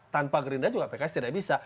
tanpa gerindra juga pks tidak bisa